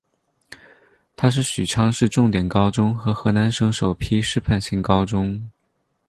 它是许昌市重点高中和河南省首批示范性高中。